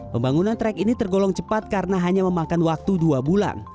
pembangunan trek ini tergolong cepat karena hanya memakan waktu dua bulan